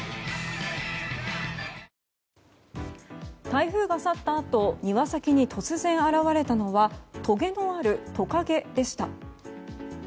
台風が去ったあと庭先に突然、現れたのはとげのあるトカゲでした。